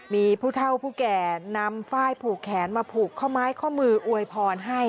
มีผู้เท่าผู้แก่นำฝ้ายผูกแขนมาผูกข้อไม้ข้อมืออวยพรให้